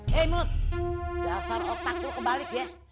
hei mut dasar otak lo kebalik ya